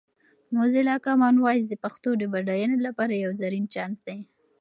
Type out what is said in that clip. موزیلا کامن وایس د پښتو د بډاینې لپاره یو زرین چانس دی.